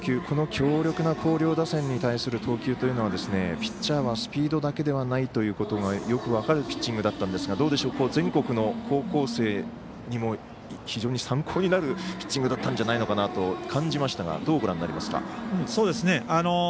この強力な広陵打線に対する投球というのはピッチャーはスピードだけではないということがよく分かるピッチングだったんですが全国の高校生にも非常に参考になるピッチングだったんじゃないかなと感じましたがどうご覧になりますか？